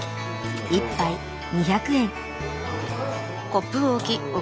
１杯２００円。